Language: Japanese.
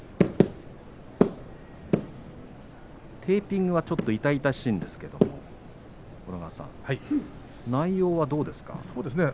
テーピングはちょっと痛々しいんですが小野川さん、内容はどうですか。